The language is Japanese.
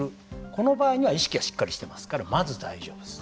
この場合には意識はしっかりしていますからまず大丈夫です。